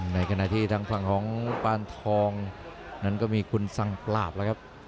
ในขณะที่ทางฝั่งของปานทองนั้นก็มีคุณสังปราบแล้วครับ